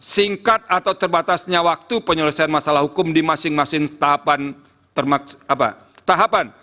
singkat atau terbatasnya waktu penyelesaian masalah hukum di masing masing tahapan